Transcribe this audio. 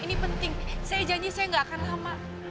ini penting saya janji saya gak akan lama